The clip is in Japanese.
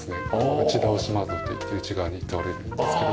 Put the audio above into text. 内倒し窓っていって内側に倒れるんですけど。